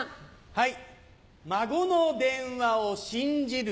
はい。